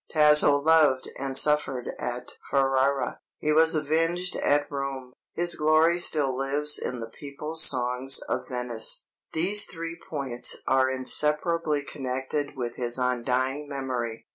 Tasso loved and suffered at Ferrara; he was avenged at Rome; his glory still lives in the people's songs of Venice. These three points are inseparably connected with his undying memory.